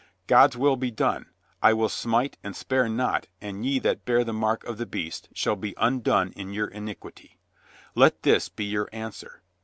God's will be done. I will smite and spare not and ye that bear the mark of the Beast shall be un done in your iniquity. Let this be your answer.